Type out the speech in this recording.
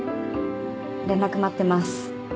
連絡待ってます